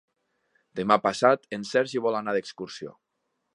Demà passat en Sergi vol anar d'excursió.